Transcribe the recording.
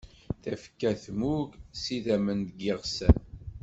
Tafekka tmmug s idamen d yeɣsan.